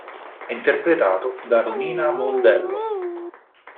È interpretato da Romina Mondello.